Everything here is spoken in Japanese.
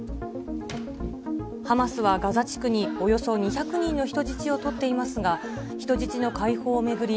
ハマスはガザ地区におよそ２００人の人質を取っていますが、人質の解放を巡り